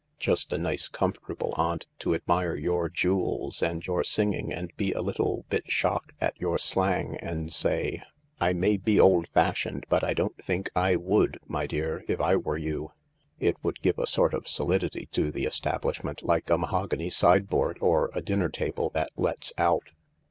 Just a nice, comfortable aunt to admire your jewels and your singing and be a little bit shocked at your slang, and say, 4 1 may be old fashioned, but I don't think I would, my dear, if I were you.' It would give a sort of solidity to the establishment, like a mahogany sideboard or a dinner table that lets out."